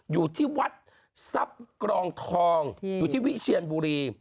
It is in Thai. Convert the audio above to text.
อยู่ที่วัดทรัพย์กรองทองอยู่ที่วิเชียนบุรี